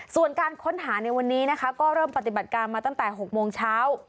ส่วนการค้นหาในวันนี้นะคะก็เริ่มปฏิบัติการมาตั้งแต่๖โมงเช้า